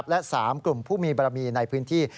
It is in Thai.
และ๓กลุ่มผู้มีบารมีในพื้นที่